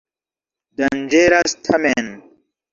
Danĝeras tamen.